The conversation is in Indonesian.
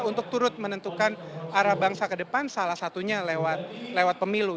untuk turut menentukan arah bangsa ke depan salah satunya lewat pemilu